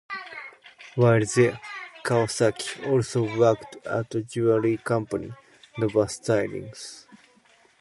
While there, Kawasaki also worked at a jewelry company, Nova Stylings.